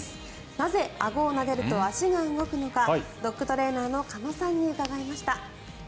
なぜ、あごをなでると足が動くのかドッグトレーナーの鹿野さんに伺いました。